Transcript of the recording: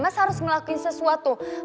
mas harus ngelakuin sesuatu